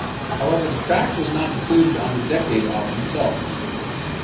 However, the track was not included on the "Decade" album itself.